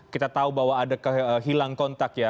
kita tahu bahwa ada hilang kontak ya